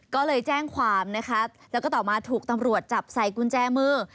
ก็เลยแจ้งความนะคะแล้วก็ต่อมาถูกตำรวจจับใส่กุญแจมือ